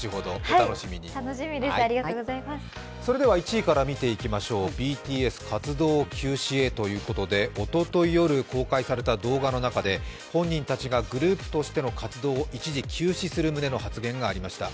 １位から見ていきましょう、ＢＴＳ活動休止へということでおととい夜公開された動画の中で本人たちがグループとしての活動を一時休止する棟の発言がありました。